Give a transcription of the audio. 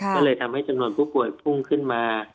ก็เลยทำให้จำนวนผู้ป่วยพุ่งขึ้นมา